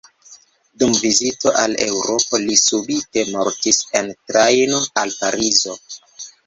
Dum vizito al Eŭropo li subite mortis en trajno al Parizo.